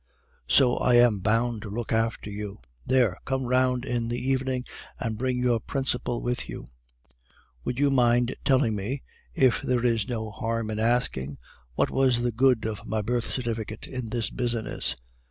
so I am bound to look after you. There, come round in the evening and bring your principal with you!' "'Would you mind telling me, if there is no harm in asking, what was the good of my birth certificate in this business?